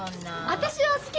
私は好き！